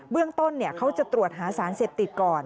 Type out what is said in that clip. เรื่องต้นเขาจะตรวจหาสารเสพติดก่อน